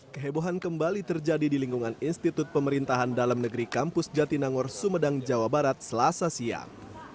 kehebohan kembali terjadi di lingkungan institut pemerintahan dalam negeri kampus jatinangor sumedang jawa barat selasa siang